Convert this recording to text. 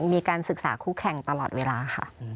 มีการศึกษาคู่แข่งตลอดเวลาค่ะ